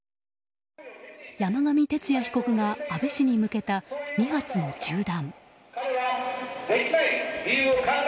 山上徹也被告が安倍氏に向けた２発の銃弾。